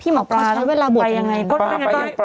พี่หมอป้าใช้เวลาบวชยังไง